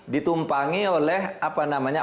ditumpangi oleh apa namanya